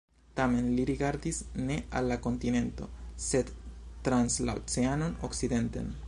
Tamen li rigardis ne al la kontinento, sed trans la oceanon, okcidenten.